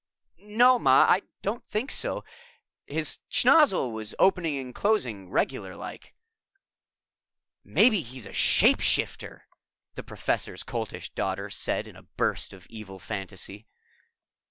_" "No, Ma, I don't think so. His schnozzle was opening and closing regular like." "Maybe he's a shape changer," the Professor's Coltish Daughter said in a burst of evil fantasy.